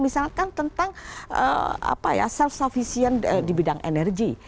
misalkan tentang apa ya self sufficient di bidang energi